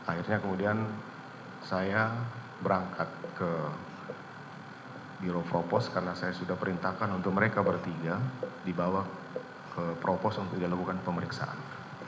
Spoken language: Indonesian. akhirnya kemudian saya berangkat ke biro propos karena saya sudah perintahkan untuk mereka bertiga dibawa ke propos untuk dilakukan pemeriksaan